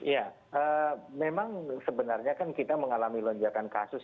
ya memang sebenarnya kan kita mengalami lonjakan kasus